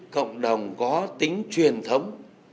cộng đồng có tính truyền thống